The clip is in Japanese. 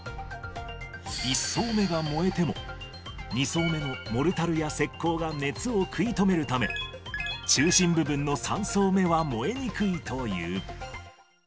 １層目が燃えても、２層目のモルタルや石こうが熱を食い止めるため、中心部分の３層目は燃えにくいという。